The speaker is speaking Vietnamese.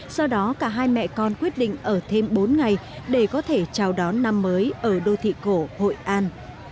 do đó cả hai mẹ con quyết định ở thêm bốn ngày để có thể chào đón năm mới ở đô thị cổ hội an